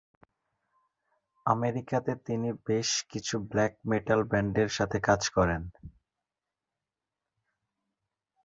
আমেরিকাতে তিনি বেশ কিছু ব্ল্যাক মেটাল ব্যান্ডের সাথে কাজ করেন।